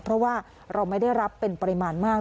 เพราะว่าเราไม่ได้รับเป็นปริมาณมาก